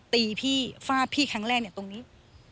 ตีพี่ฟาดพี่ครั้งแรกเนี่ยตรงนี้